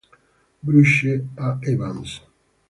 Bruce A. Evans